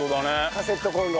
カセットコンロ。